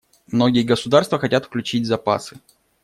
Многие государства хотят включить запасы.